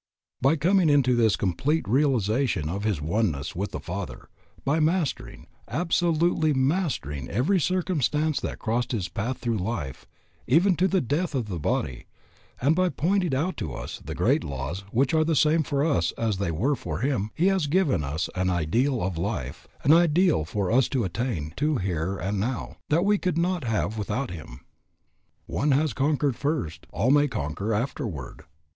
By coming into this complete realization of his oneness with the Father, by mastering, absolutely mastering every circumstance that crossed his path through life, even to the death of the body, and by pointing out to us the great laws which are the same for us as they were for him, he has given us an ideal of life, an ideal for us to attain to here and now, that we could not have without him. One has conquered first; all may conquer afterward.